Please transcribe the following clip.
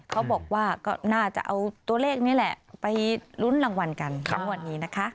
เขาบอกว่าก็น่าจะเอาตัวเลขนี้แหละไปลุ้นรางวัลกันในงวดนี้นะคะ